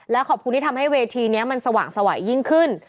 และขอบคุณที่ทำให้เวทีนี้มันสว่างสวัยยิ่งขึ้น